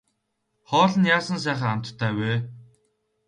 Хоол нь яасан сайхан амттай вэ.